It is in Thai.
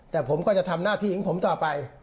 แต่ผมก็จะทำหน้าที่ของผมต่อไป